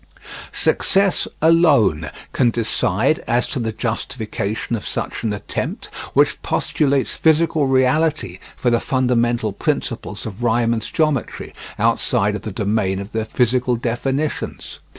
Success alone can decide as to the justification of such an attempt, which postulates physical reality for the fundamental principles of Riemann's geometry outside of the domain of their physical definitions.